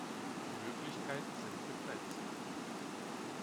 Die Möglichkeiten sind begrenzt.